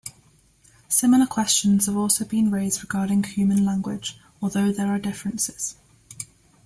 Similar questions have also been raised regarding human language, although there are differences.